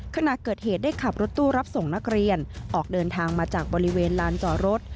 ขณะเกิดเหตุได้ขับรถตู้รับส่งนักเรียนออกเดินทางมาจากบริเวณลานจอรถ